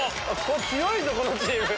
強いぞこのチーム。